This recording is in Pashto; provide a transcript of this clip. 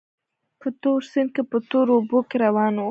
په تور سیند کې په تورو اوبو کې روان وو.